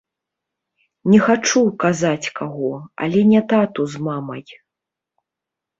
Не хачу казаць каго, але не тату з мамай.